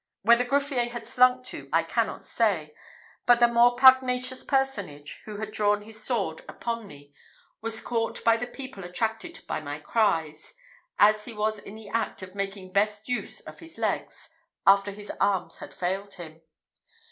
Where the greffier had slunk to I cannot say; but the more pugnacious personage, who had drawn his sword upon me, was caught by the people attracted by my cries, as he was in the act of making the best use of his legs, after his arms had failed him.